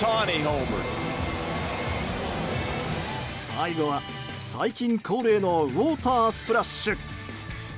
最後は最近恒例のウォータースプラッシュ。